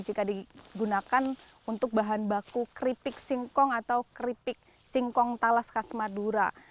jika digunakan untuk bahan baku keripik singkong atau keripik singkong talas khas madura